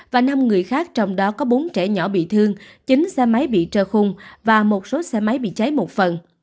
và năm người khác trong đó có bốn trẻ nhỏ bị thương chín xe máy bị trơ khung và một số xe máy bị cháy một phần